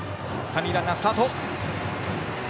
三塁ランナー、スタート。